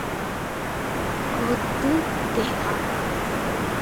Kotykeha